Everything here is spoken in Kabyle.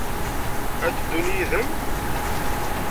Ad d-ddun yid-m?